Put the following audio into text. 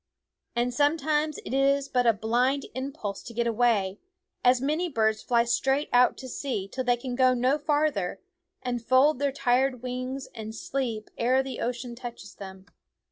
And sometimes it is but a blind impulse to get away, as many birds fly straight out to sea, till they can go no farther, and fold their tired wings and sleep ere the ocean touches them.